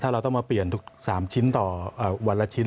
เราต้องมาเปลี่ยนทุก๓ชิ้นต่อวันละชิ้น